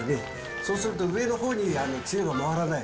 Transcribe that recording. そうすると、上のほうにつゆが回らない。